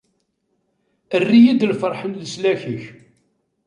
Err-iyi-d lferḥ n leslak-ik.